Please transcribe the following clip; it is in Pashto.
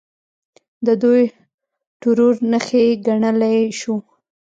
د دوی ټرور نښې ګڼلی شو.